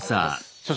所長